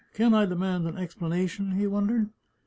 " Can I demand an explana tion? " he wondered.